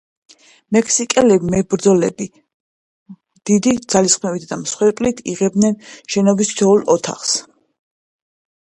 მექსიკელი მებრძოლები, დიდი ძალისხმევით და მსხვერპლით იღებდნენ შენობის თითოეულ ოთახს.